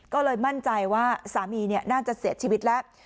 ก็เลยมั่นใจว่าสามีน่าจะเสียชีวิตแล้ว